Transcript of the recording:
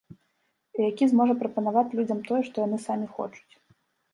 І які зможа прапанаваць людзям тое, што яны самі хочуць.